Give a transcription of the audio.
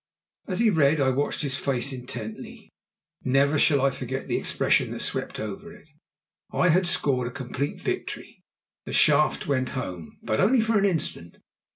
As he read I watched his face intently. Never shall I forget the expression that swept over it. I had scored a complete victory. The shaft went home. But only for an instant.